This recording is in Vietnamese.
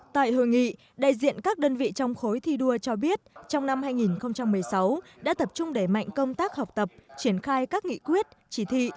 tại hội nghị đại diện các đơn vị trong khối thi đua cho biết trong năm hai nghìn một mươi sáu đã tập trung đẩy mạnh công tác học tập triển khai các nghị quyết chỉ thị